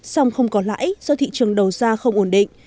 song không có lãi do thị trường đầu ra không ổn định